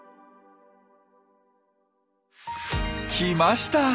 来ました！